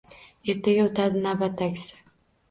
Ertaga o’tadi navbatdagisi